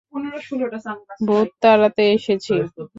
ভুত তাড়াতে এসেছি।